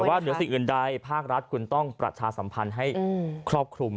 แต่ว่าเหนือสิ่งอื่นใดภาครัฐคุณต้องประชาสัมพันธ์ให้ครอบคลุม